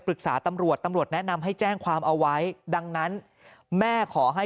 ปรึกษาตำรวจตำรวจแนะนำให้แจ้งความเอาไว้ดังนั้นแม่ขอให้